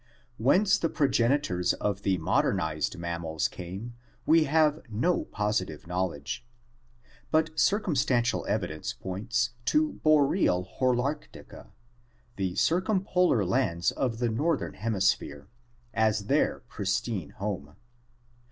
Whence the progenitors of the modern ized mammals came we have no positive knowledge, but circum stantial evidence points to boreal Holarctica — the circumpolar lands of the northern hemisphere — as their pristine home.